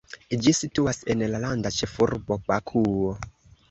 Ĝi situas en la landa ĉefurbo, Bakuo.